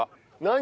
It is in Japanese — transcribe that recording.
何？